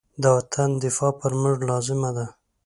د وطن دفاع پر موږ لازمه ده.